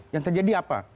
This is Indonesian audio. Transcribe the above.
yang terjadi apa